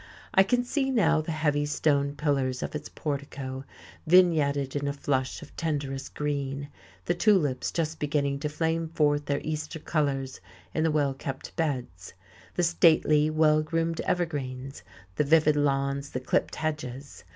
I can see now the heavy stone pillars of its portico vignetted in a flush of tenderest green, the tulips just beginning to flame forth their Easter colours in the well kept beds, the stately, well groomed evergreens, the vivid lawns, the clipped hedges.